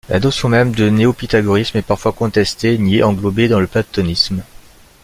La notion même de néopythagorisme est parfois contestée, niée, englobée dans le platonisme.